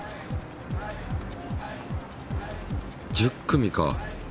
１０組か。